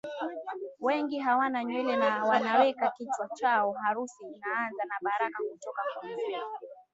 wengi hawana nywele na wanaweka kichwa chao Harusi inaanza na baraka kutoka kwa mzee